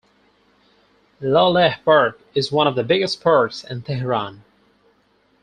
Laleh Park is one of the biggest parks in Tehran.